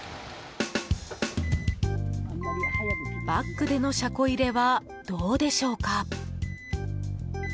バックでの車庫入れはどうでしょうか。